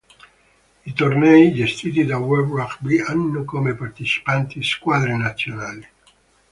I tornei, gestiti da World Rugby, hanno come partecipanti squadre nazionali.